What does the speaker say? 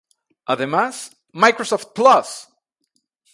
Además, Microsoft Plus!